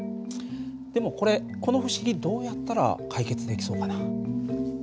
でもこれこの不思議どうやったら解決できそうかな？